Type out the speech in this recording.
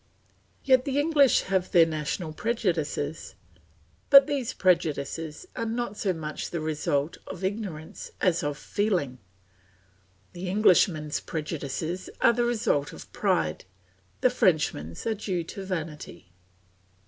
Yet the English have their national prejudices; but these prejudices are not so much the result of ignorance as of feeling. The Englishman's prejudices are the result of pride, the Frenchman's are due to vanity.